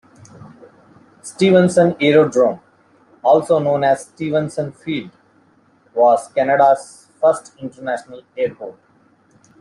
Stevenson Aerodrome, also known as Stevenson Field, was Canada's first international airport.